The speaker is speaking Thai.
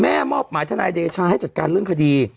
มอบหมายทนายเดชาให้จัดการเรื่องคดี